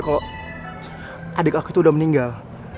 kalau adik aku itu udah meninggal